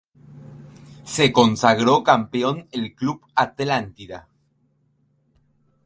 Se consagró campeón el club Atlántida.